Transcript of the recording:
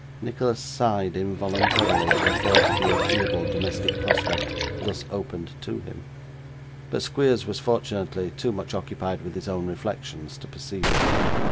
Nicholas sighed involuntarily at the thought of the agreeable domestic prospect thus opened to him; but Squeers was, fortunately, too much occupied with his own reflections to perceive it.